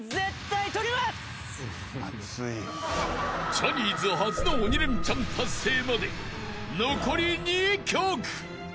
［ジャニーズ初の鬼レンチャン達成まで残り２曲］